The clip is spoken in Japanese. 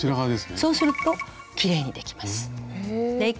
そうするときれいにできます。